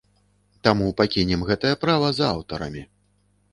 Таму пакінем гэтае права за аўтарамі.